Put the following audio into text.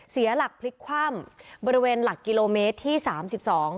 เสียหลักพลิกคว่ำบริเวณหลักกิโลเมตรที่สามสิบสอง